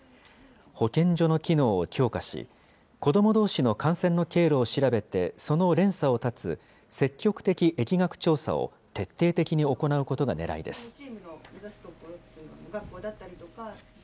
保健所の機能を強化し、子どもどうしの感染の経路を調べてその連鎖を断つ積極的疫学調査を徹底的に行うことがねらいです。